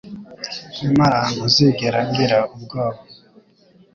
Nyamara ntuzigera ngira ubwoba.